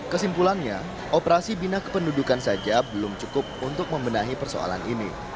kesimpulannya operasi bina kependudukan saja belum cukup untuk membenahi persoalan ini